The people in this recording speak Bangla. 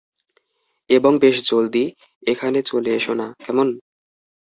এবং বেশি জলদি এখানে চলে এসো না, কেমন?